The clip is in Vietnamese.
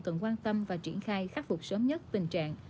cần quan tâm và triển khai khắc phục sớm nhất tình trạng